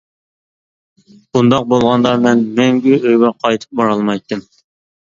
بۇنداق بولغاندا مەن مەڭگۈ ئۆيگە قايتىپ بارالمايتتىم.